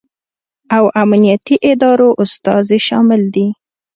او امنیتي ادارو استازي شامل دي